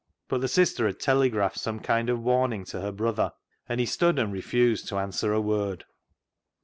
But the sister had telegraphed some kind of warning to her brother, and he stood and refused to answer a word.